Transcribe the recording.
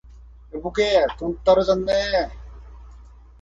여보게 돈 떨어졌네